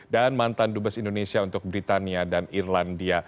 dan mantan dubes indonesia untuk britania dan irlandia